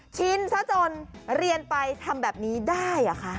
ชินซะจนเรียนไปทำแบบนี้ได้เหรอคะ